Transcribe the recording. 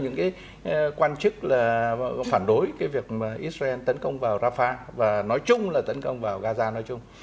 những cái quan chức là phản đối cái việc israel tấn công vào rafah và nói chung là tấn công vào gaza nói chung